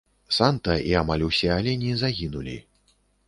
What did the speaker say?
Санта і амаль усе алені загінулі.